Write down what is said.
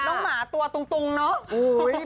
หมาตัวตุงเนาะ